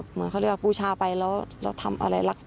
เหมือนเขาเรียกว่าบูชาไปแล้วทำอะไร